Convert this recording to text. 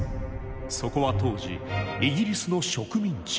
そこは当時イギリスの植民地。